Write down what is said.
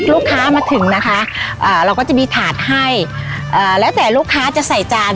ลูกค้ามาถึงนะคะเราก็จะมีถาดให้เอ่อแล้วแต่ลูกค้าจะใส่จาน